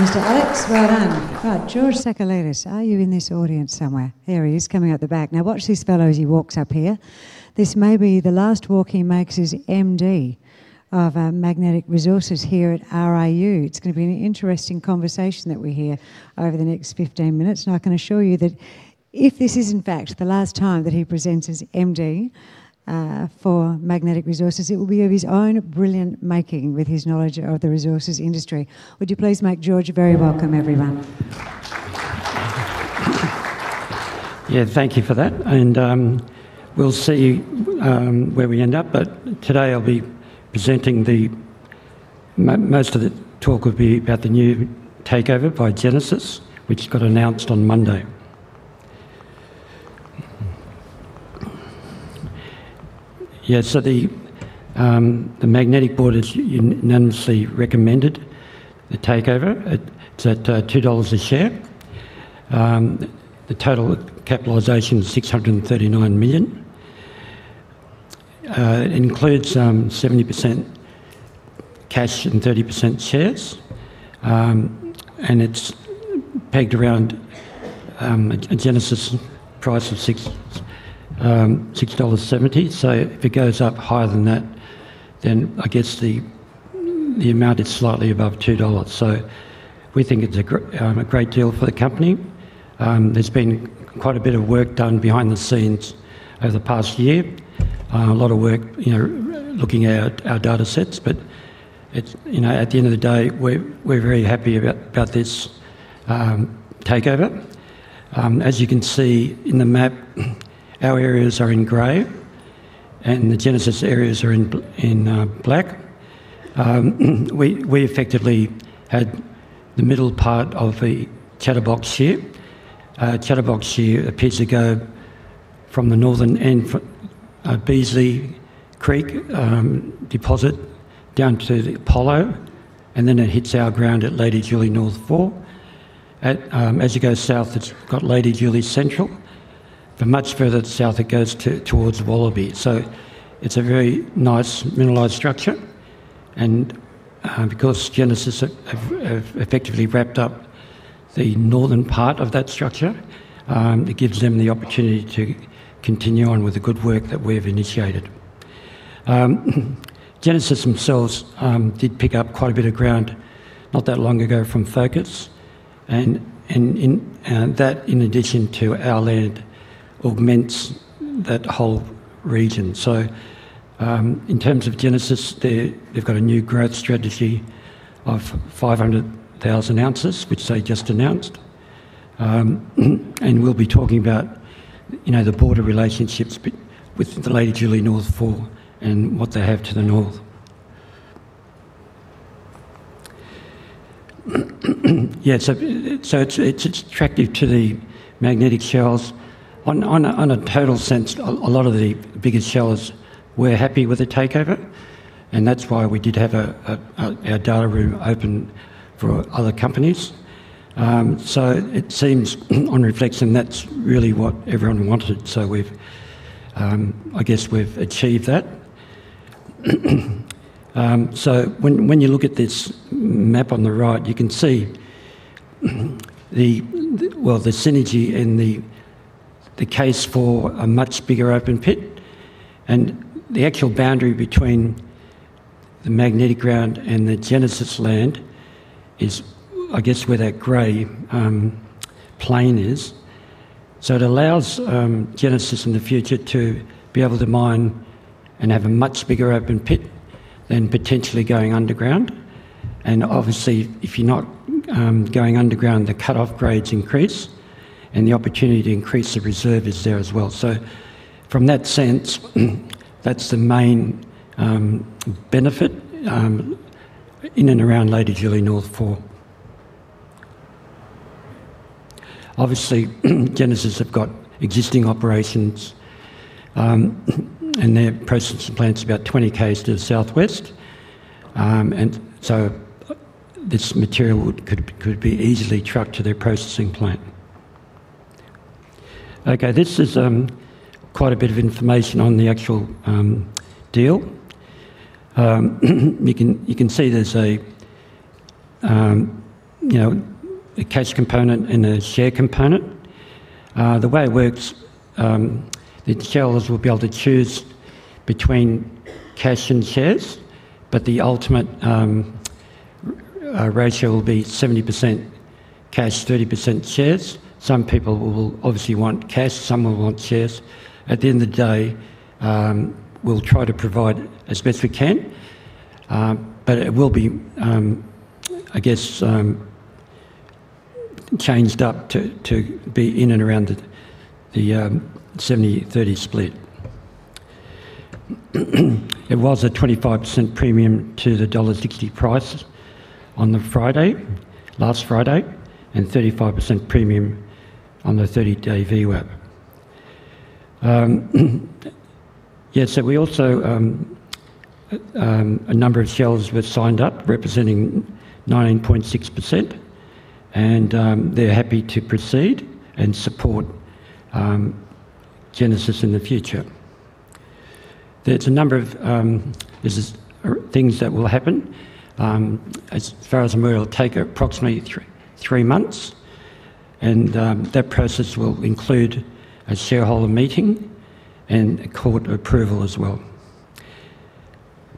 Mr. Alex, well done. Right, George Sakalidis, are you in this audience somewhere? Here he is, coming out the back. Now, watch this fellow as he walks up here. This may be the last walk he makes as MD of Magnetic Resources here at RIU. It's going to be an interesting conversation that we hear over the next 15 minutes, and I can assure you that if this is in fact the last time that he presents as MD for Magnetic Resources, it will be of his own brilliant making with his knowledge of the resources industry. Would you please make George very welcome, everyone? Yeah, thank you for that, and we'll see where we end up. But today, I'll be presenting. Most of the talk will be about the new takeover by Genesis, which got announced on Monday. Yeah, so the Magnetic board has unanimously recommended the takeover at. It's at 2 dollars a share. The total capitalization is 639 million. Includes 70% cash and 30% shares, and it's pegged around a Genesis price of 6.70 dollars. So if it goes up higher than that, then I guess the amount is slightly above 2 dollars. So we think it's a great deal for the company. There's been quite a bit of work done behind the scenes over the past year. A lot of work, you know, looking at our data sets, but it's, you know, at the end of the day, we're very happy about this takeover. As you can see in the map, our areas are in gray, and the Genesis areas are in black. We effectively had the middle part of the Chatterbox Shear. Chatterbox Shear appears to go from the northern end of the Beasley Creek deposit down to the Apollo, and then it hits our ground at Lady Julie North 4. As you go south, it's got Lady Julie Central, but much further south, it goes towards Wallaby. It's a very nice mineralized structure, and because Genesis have effectively wrapped up the northern part of that structure, it gives them the opportunity to continue on with the good work that we've initiated. Genesis themselves did pick up quite a bit of ground not that long ago from Focus, and that in addition to our land augments that whole region. In terms of Genesis, they've got a new growth strategy of 500,000 ounces, which they just announced. We'll be talking about, you know, the board of relationships with the Lady Julie North 4 and what they have to the north. Yeah, it's attractive to the Magnetic shareholders. On a total sense, a lot of the biggest shareholders were happy with the takeover, and that's why we did have our data room open for other companies. It seems, on reflection, that's really what everyone wanted. We've, I guess we've achieved that. When you look at this map on the right, you can see the synergy and the case for a much bigger open pit. The actual boundary between the Magnetic ground and the Genesis land is, I guess, where that gray plain is. It allows Genesis in the future to be able to mine and have a much bigger open pit than potentially going underground. And obviously, if you're not going underground, the cut-off grades increase and the opportunity to increase the reserve is there as well. So from that sense, that's the main benefit in and around Lady Julie North 4. Obviously, Genesis have got existing operations, and their processing plant is about 20 Ks to the southwest. And so this material could be easily trucked to their processing plant. Okay, this is quite a bit of information on the actual deal. You can see there's a, you know, a cash component and a share component. The way it works, the shareholders will be able to choose between cash and shares, but the ultimate ratio will be 70% cash, 30% shares. Some people will obviously want cash, some will want shares. At the end of the day, we'll try to provide as best we can, but it will be, I guess, changed up to be in and around the 70-30 split. It was a 25% premium to the dollar 1.60 price on the Friday, last Friday, and 35% premium on the 30-day VWAP. Yeah, so we also, a number of shareholders were signed up, representing 19.6%, and they're happy to proceed and support Genesis in the future. There's a number of things that will happen, as far as a merger will take approximately three months, and that process will include a shareholder meeting and a court approval as well.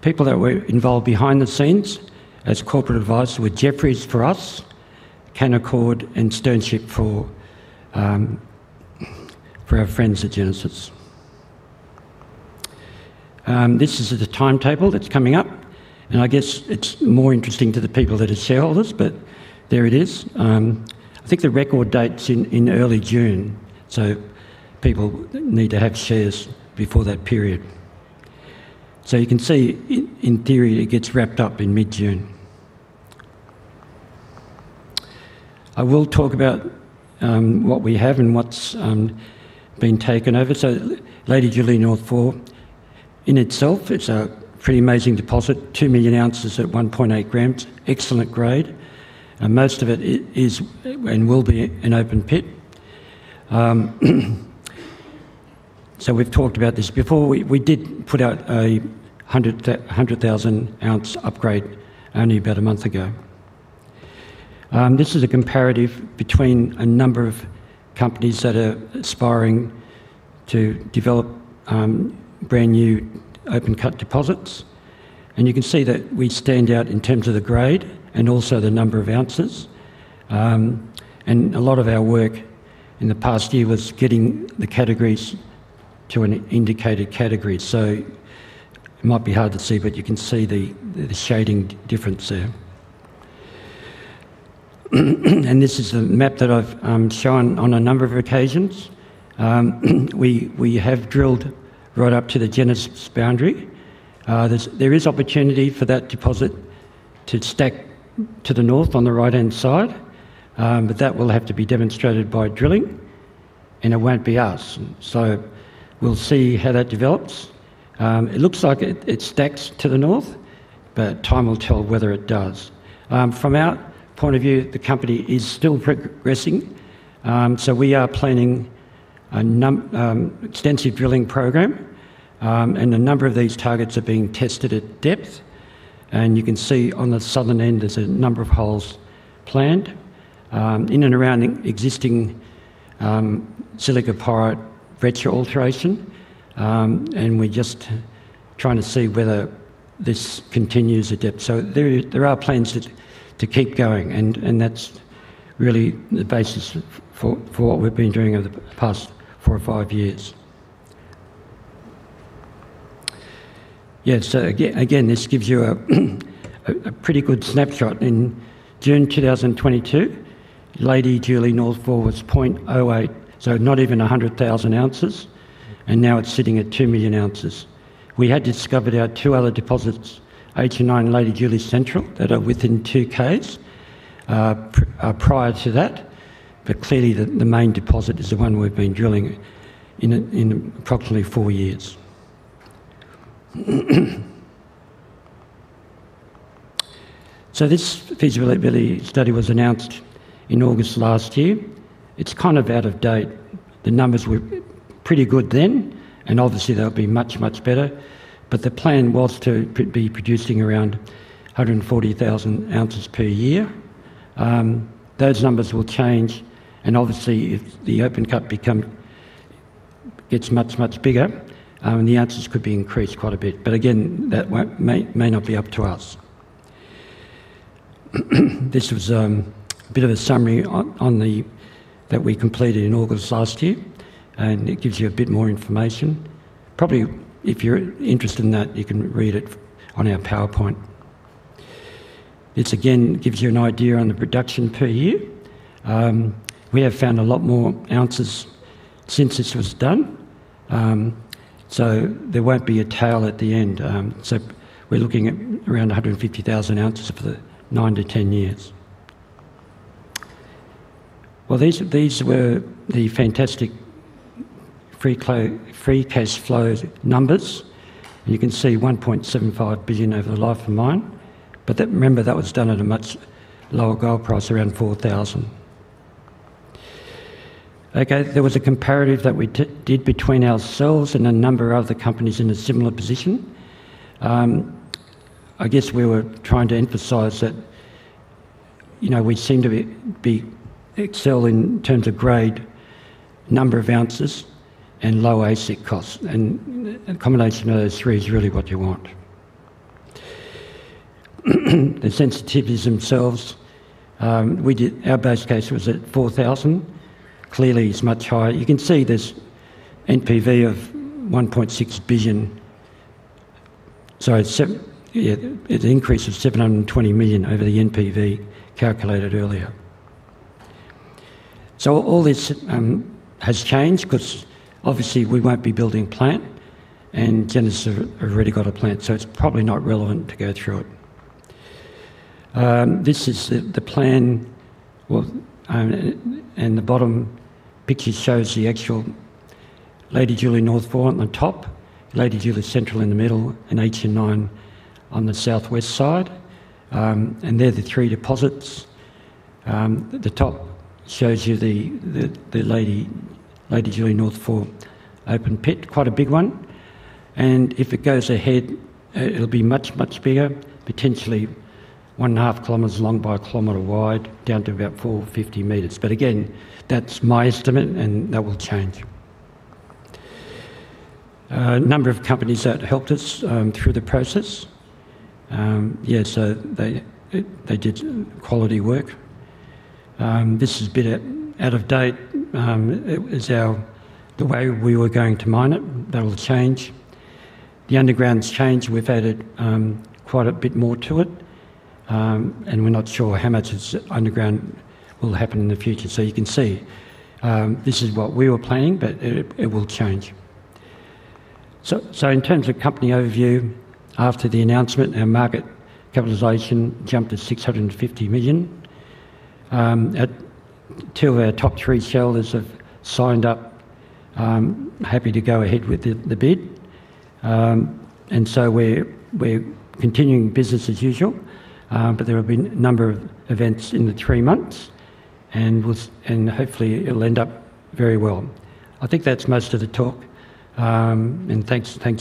People that were involved behind the scenes as corporate advisors were Jefferies for us, Canaccord and Sternship for our friends at Genesis. This is the timetable that's coming up, and I guess it's more interesting to the people that are shareholders, but there it is. I think the record date's in early June, so people need to have shares before that period. So you can see in theory, it gets wrapped up in mid-June. I will talk about what we have and what's been taken over. So Lady Julie North 4, in itself, it's a pretty amazing deposit, two million ounces at 1.8 grams, excellent grade, and most of it is, and will be an open pit. So we've talked about this before. We did put out a 100,000-ounce upgrade only about a month ago. This is a comparative between a number of companies that are aspiring to develop brand-new open cut deposits, and you can see that we stand out in terms of the grade and also the number of ounces. A lot of our work in the past year was getting the categories to an indicated category, so it might be hard to see, but you can see the shading difference there. This is a map that I've shown on a number of occasions. We have drilled right up to the Genesis boundary. There is opportunity for that deposit to stack to the north on the right-hand side, but that will have to be demonstrated by drilling, and it won't be us. We'll see how that develops. It looks like it stacks to the north, but time will tell whether it does. From our point of view, the company is still progressing, so we are planning a number of extensive drilling programs, and a number of these targets are being tested at depth. You can see on the southern end, there's a number of holes planned in and around the existing silica-pyrite alteration, and we're just trying to see whether this continues at depth. There are plans to keep going, and that's really the basis for what we've been doing over the past four or five years. Yeah, again, this gives you a pretty good snapshot. In June 2022, Lady Julie North 4 was 0.08, so not even 100,000 ounces, and now it's sitting at two million ounces. We had discovered our two other deposits, HN9 Lady Julie Central, that are within two km, prior to that, but clearly, the main deposit is the one we've been drilling in approximately four years. So this feasibility study was announced in August last year. It's kind of out of date. The numbers were pretty good then, and obviously, they'll be much, much better, but the plan was to be producing around 140,000 ounces per year. Those numbers will change and obviously, if the open cut gets much, much bigger, the ounces could be increased quite a bit. But again, that may not be up to us. This was a bit of a summary on that we completed in August last year, and it gives you a bit more information. Probably, if you're interested in that, you can read it on our PowerPoint. This again gives you an idea on the production per year. We have found a lot more ounces since this was done, so there won't be a tail at the end. So we're looking at around 150,000 ounces for the 9-10 years. Well, these were the fantastic free cash flow numbers. You can see 1.75 billion over the life of mine, but that, remember, that was done at a much lower gold price, around 4,000. Okay, there was a comparative that we did between ourselves and a number of other companies in a similar position. I guess we were trying to emphasize that, you know, we seem to excel in terms of grade, number of ounces, and low AISC costs, and a combination of those three is really what you want. The sensitivities themselves, our base case was at 4,000. Clearly, it's much higher. You can see this NPV of 1.6 billion, so it's seven... Yeah, it's an increase of 720 million over the NPV calculated earlier. So all this has changed, 'cause obviously, we won't be building plant, and Genesis have already got a plant, so it's probably not relevant to go through it. This is the plan, well, and the bottom picture shows the actual Lady Julie North 4 on the top, Lady Julie Central in the middle, and HN9 on the southwest side, and they're the three deposits. The top shows you the Lady Julie North 4 open pit, quite a big one, and if it goes ahead, it'll be much, much bigger, potentially 1.5 km long by 1 km wide, down to about 450 m. But again, that's my estimate, and that will change. A number of companies that helped us through the process. Yeah, so they did quality work. This has been out of date. It's how the way we were going to mine it, that will change. The underground's changed. We've added quite a bit more to it, and we're not sure how much is underground will happen in the future. So you can see, this is what we were planning, but it, it will change. So in terms of company overview, after the announcement, our market capitalization jumped to 650 million. At two of our top three shareholders have signed up, happy to go ahead with the bid. And so we're continuing business as usual, but there have been a number of events in the three months, and hopefully it'll end up very well. I think that's most of the talk, and thanks, thank you.